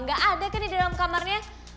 gak ada kan di dalam kamarnya